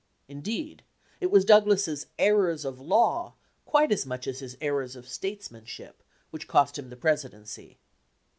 In deed, it was Douglas's errors of law quite as much as his errors of statesmanship which cost him the Presidency.